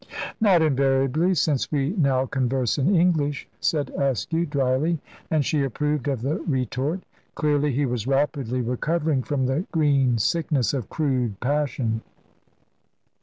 "Not invariably, since we now converse in English," said Askew, dryly; and she approved of the retort. Clearly he was rapidly recovering from the green sickness of crude passion.